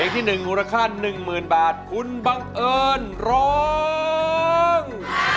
เพลงที่หนึ่งมูลค่าหนึ่งหมื่นบาทคุณบังเอิญร้อง